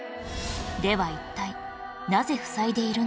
では一体なぜふさいでいるのか？